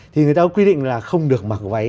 thì người ta quy định là không được mặc váy